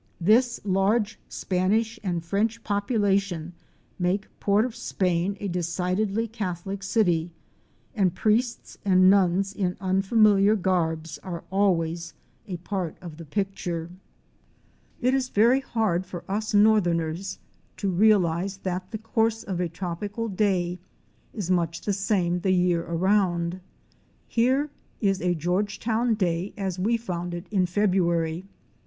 This large Spanish and French population make Port of Spain a decidedly Catholic city, and priests and nuns in unfamiliar garbs are always a part of the picture. 120 OUR SEARCH FOR A WILDERNESS. It is very hard for us Northerners to realize that the course of a tropical day is much the same the year around. Here is a Georgetown day as we found it in February.